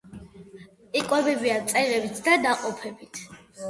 იკვებებიან მწერებით და ნაყოფებით.